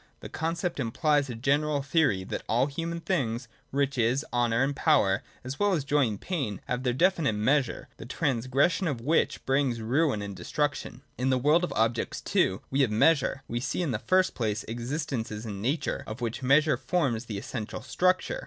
That conception implies a general theory that all human things, riches, honour, and power, as well as joy and pain, have their definite measure, the trans gression of which brings ruin and destruction. In the world of objects, too, we have measure. We see, in the first place, existences in Nature, of which measure forms the essential structure.